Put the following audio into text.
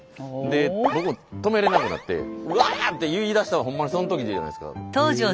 で僕止めれなくなってうわ！って言いだしたのほんまにそのときじゃないですか。